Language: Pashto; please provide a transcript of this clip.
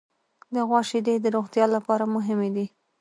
د غوا شیدې د روغتیا لپاره مهمې دي.